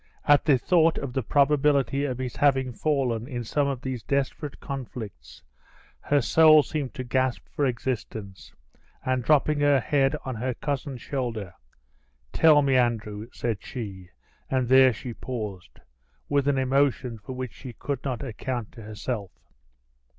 At the thought of the probability of his having fallen in some of these desperate conflicts, her soul seemed to gasp for existence; and dropping her head on her cousin's shoulder, "Tell me, Andrew," said she, and there she paused, with an emotion for which she could not account to herself.